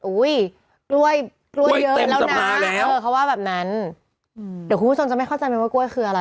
อุ้ยกล้วยกล้วยเยอะแล้วนะเออเขาว่าแบบนั้นเดี๋ยวคุณผู้ชมจะไม่เข้าใจไหมว่ากล้วยคืออะไร